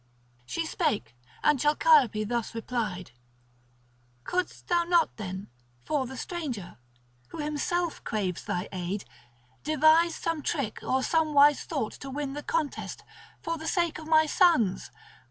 She spake, and Chalciope thus replied: "Couldst thou not then, for the stranger—who himself craves thy aid—devise some trick or some wise thought to win the contest, for the sake of my sons?